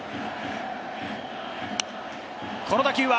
この打球は？